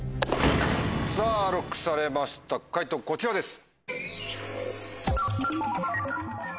さぁＬＯＣＫされました解答こちらです。